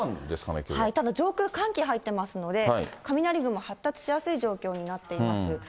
ただ上空、寒気入ってますので、雷雲発達しやすい状況になっています。